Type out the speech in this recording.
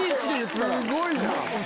すごいな！